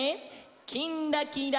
「きんらきら」。